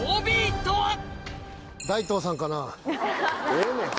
ええねん。